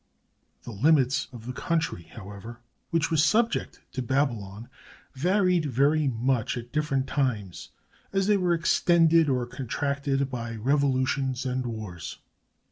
The limits of the country, however, which was subject to Babylon, varied very much at different times, as they were extended or contracted by revolutions and wars.